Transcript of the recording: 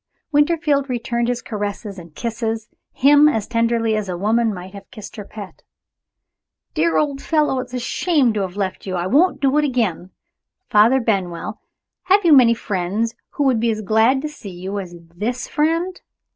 Winterfield returned his caresses, and kisses him as tenderly as a woman might have kissed her pet. "Dear old fellow! it's a shame to have left you I won't do it again. Father Benwell, have you many friends who would be as glad to see you as this friend?